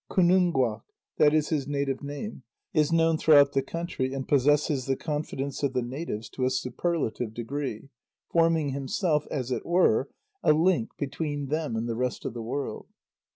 "Kunúnguaq" that is his native name is known throughout the country and possesses the confidence of the natives to a superlative degree, forming himself, as it were, a link between them and the rest of the world.